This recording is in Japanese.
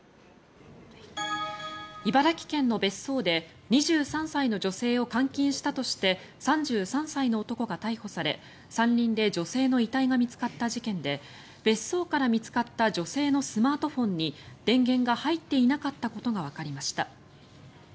茨城県の別荘で２３歳の女性を監禁したとして３３歳の男が逮捕され山林で女性の遺体が見つかった事件で別荘から見つかった女性のスマートフォンに電源が入っていなかったことがわかりました。